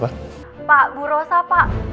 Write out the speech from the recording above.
pak bu rosa pak